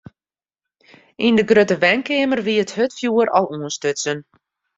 Yn de grutte wenkeamer wie it hurdfjoer al oanstutsen.